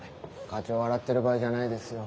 課長笑ってる場合じゃないですよ。